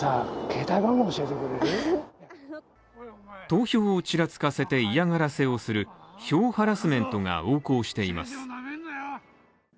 投票をちらつかせて嫌がらせをする、票ハラスメントが横行しています。